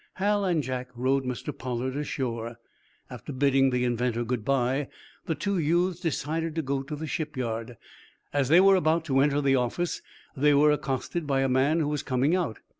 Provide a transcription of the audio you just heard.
Hal and Jack rowed Mr. Pollard ashore. After bidding the inventor good bye, the two youths decided to go to the shipyard. As they were about to enter the office they were accosted by a man who was coming out.